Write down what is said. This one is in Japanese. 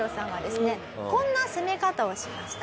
こんな攻め方をしました。